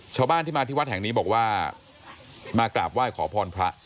ชาวบ้านที่มาที่วัดแห่งนี้บอกว่ามากราบไหว้ขอพรพระ